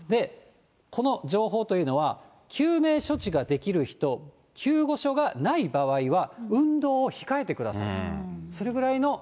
この情報というのは、救命処置ができる人、救護所がない場合は、運動を控えてください。